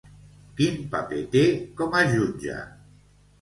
Quin paper té com a jutge?